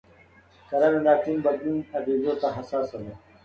کرنه د اقلیم د بدلون اغېزو ته حساسه ده.